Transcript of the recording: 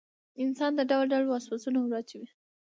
انسان ته ډول ډول وسواسونه وراچوي.